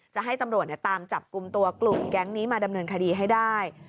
จะให้ตำรวจตามจับกลุ่มตัวกลุ่มแก๊งนี้มาดำเนินคดีให้ได้